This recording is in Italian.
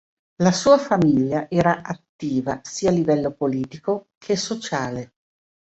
La sua famiglia era attiva sia a livello politico che sociale.